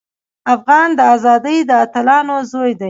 افغان د ازادۍ د اتلانو زوی دی.